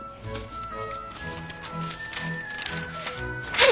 はい！